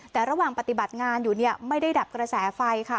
แต่ระหว่างปฏิบัติงานอยู่ไม่ได้ดับกระแสไฟค่ะ